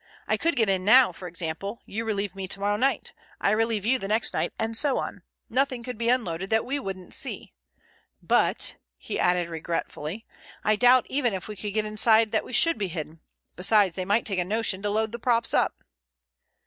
I could get in now, for example; you relieve me tomorrow night; I relieve you the next night, and so on. Nothing could be unloaded that we wouldn't see. But," he added regretfully, "I doubt even if we could get inside that we should be hidden. Besides, they might take a notion to load the props up."